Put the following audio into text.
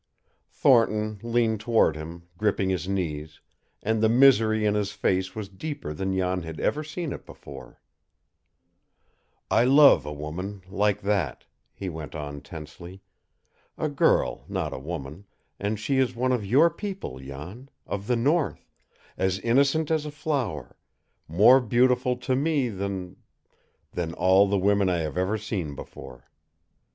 Thornton leaned toward him, gripping his knees, and the misery in his face was deeper than Jan had ever seen it before. "I love a woman like that," he went on tensely. "A girl not a woman, and she is one of your people, Jan of the north, as innocent as a flower, more beautiful to ME than than all the women I have ever seen before.